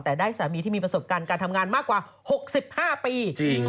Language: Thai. แต่ได้สามีที่มีประสบการณ์การทำงานมากกว่า๖๕ปี